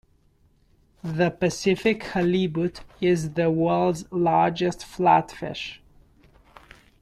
The Pacific halibut is the world's largest flatfish.